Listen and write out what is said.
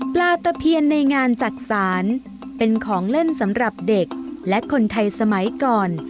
ตะเพียนในงานจักษานเป็นของเล่นสำหรับเด็กและคนไทยสมัยก่อน